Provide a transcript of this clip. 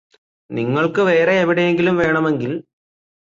നിങ്ങൾക്ക് വേറെയെവിടെയെങ്കിലും വേണെമെങ്കിൽ